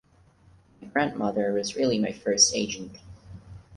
My grandmother was really my first agent.